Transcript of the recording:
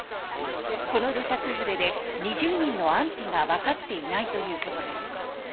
この土砂崩れで２０人の安否がわかっていないということです。